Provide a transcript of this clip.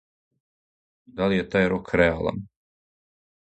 Да ли је тај рок реалан?